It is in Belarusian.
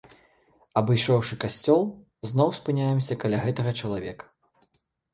Абышоўшы касцёл, зноў спыняемся каля гэтага чалавека.